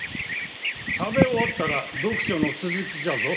食べ終わったら読書の続きじゃぞ。